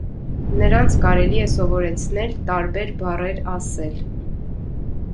Նրանց կարելի է սովորեցնել տարբեր բառեր ասել։